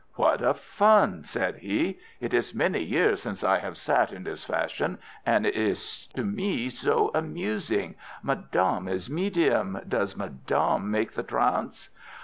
"What a fun!" said he. "It is many years since I have sat in this fashion, and it is to me amusing. Madame is medium. Does madame make the trance?"